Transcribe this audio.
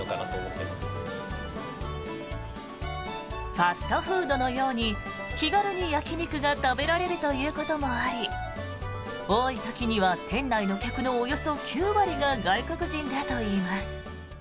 ファストフードのように気軽に焼き肉が食べられるということもあり多い時には店内の客のおよそ９割が外国人だといいます。